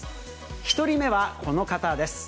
１人目は、この方です。